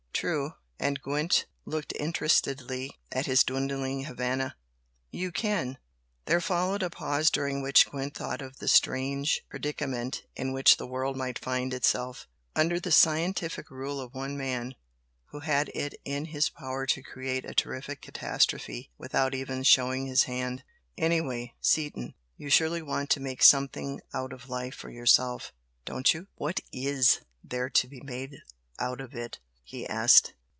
"True!" And Gwent looked interestedly at his dwindling Havana "You can!" There followed a pause during which Gwent thought of the strange predicament in which the world might find itself, under the scientific rule of one man who had it in his power to create a terrific catastrophe without even "showing his hand." "Anyway, Seaton, you surely want to make something out of life for yourself, don't you?" "What IS there to be made out of it?" he asked.